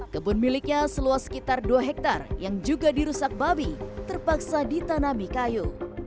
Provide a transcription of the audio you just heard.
kebun miliknya seluas sekitar dua hektare yang juga dirusak babi terpaksa ditanami kayu